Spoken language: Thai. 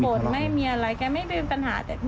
ไม่บ่นไม่มีอะไรแกไม่มีปัญหา